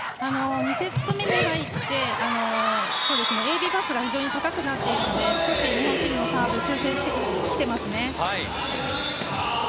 ２セット目に入ってＡ・Ｂパスが非常に高くなっているので日本チームのサーブは修正してきていますね。